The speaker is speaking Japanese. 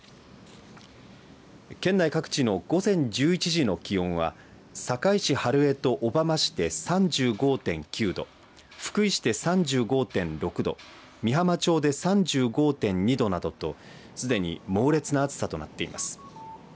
県内各地の午前１１時の気温は坂井市春江と小浜市で３５．９度、福井市で３５．６度、美浜町で３５．２度などとすでに猛烈な暑さとなっています。